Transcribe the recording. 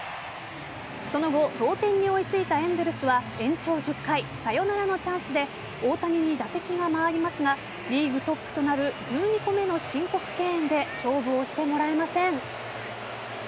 その後同点に追いついたエンゼルスは延長１０回サヨナラのチャンスで大谷に打席が回りますがリーグトップとなる１２個目の申告敬遠で勝負をしてもらえません。